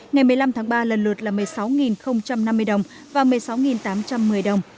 ngày một mươi năm tháng ba lần lượt là một mươi sáu năm mươi đồng và một mươi sáu tám trăm một mươi đồng